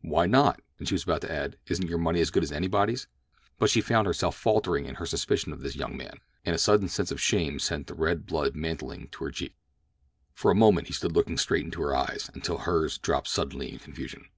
"Why not?" And she was about to add, "Isn't your money as good as anybody's?" But she found herself faltering in her suspicion of this young man, and a sudden sense of shame sent the red blood mantling to her cheek. For a moment he stood looking straight into her eyes until hers dropped suddenly in confusion.